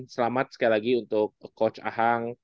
selamat sekali lagi untuk coach ahang